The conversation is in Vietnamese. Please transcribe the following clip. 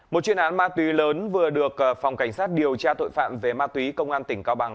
một chuyên án ma túy lớn vừa được phòng cảnh sát điều tra tội phạm về ma túy công an tỉnh cao bằng